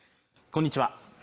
こんにちは